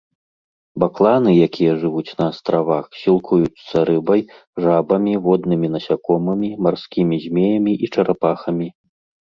Бакланы, якія жывуць на астравах, сілкуюцца рыбай, жабамі, воднымі насякомымі, марскімі змеямі і чарапахамі.